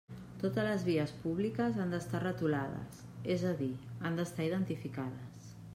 Totes les vies públiques han d'estar retolades, és a dir, han d'estar identificades.